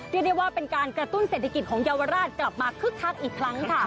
เรียกได้ว่าเป็นการกระตุ้นเศรษฐกิจของเยาวราชกลับมาคึกคักอีกครั้งค่ะ